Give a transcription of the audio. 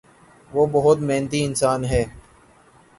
وہ بہت محنتی انسان ہے۔